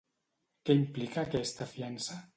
Què implica aquesta fiança?